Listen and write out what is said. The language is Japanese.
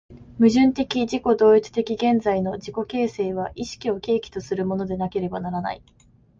矛盾的自己同一的現在の自己形成は意識を契機とするものでなければならない。